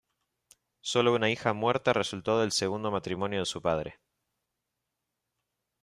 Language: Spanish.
Sólo una hija muerta resultó del segundo matrimonio de su padre.